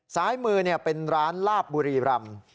ซ้ายมือเป็นร้านลาบบุรีรำ